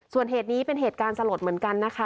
ส่วนเหตุนี้เป็นเหตุการณ์สลดเหมือนกันนะคะ